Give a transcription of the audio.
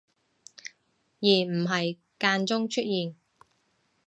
而唔係間中出現